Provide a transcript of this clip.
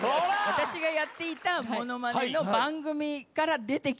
私がやっていたものまねの番組から出てきて。